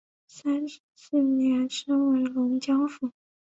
三十四年升为龙江府。